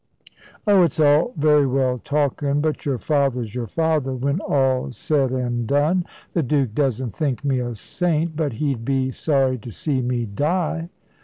"Oh, it's all very well talkin'. But your father's your father, when all's said an' done. The Duke doesn't think me a saint, but he'd be sorry to see me die."